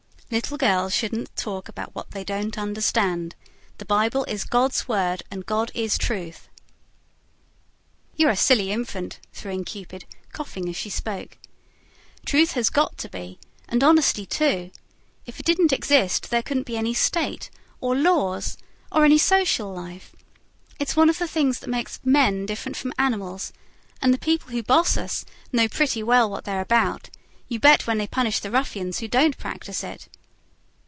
"Little girls shouldn't talk about what they don't understand. The Bible is God's Word; and God is Truth." "You're a silly infant," threw in Cupid, coughing as she spoke. "Truth has got to be and honesty, too. If it didn't exist, there couldn't be any state, or laws, or any social life. It's one of the things that makes men different from animals, and the people who boss us know pretty well what they're about, you bet when they punish the ruffians who don't practise it."